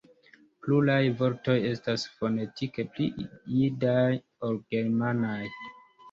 Pluraj vortoj estas fonetike pli jidaj ol germanaj.